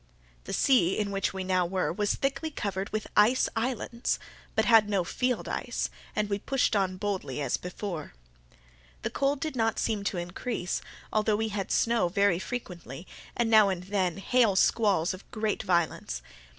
The sea in which we now were was thickly covered with ice islands, but had no field ice, and we pushed on boldly as before. The cold did not seem to increase, although we had snow very frequently, and now and then hail squalls of great violence.